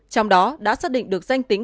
trong đó đã xác định được danh tính